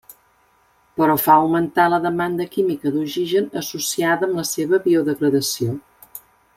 Però fa augmentar la demanda química d'oxigen associada amb la seva biodegradació.